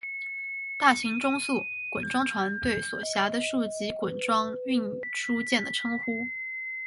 大型中速滚装船对所辖的数级滚装运输舰的称呼。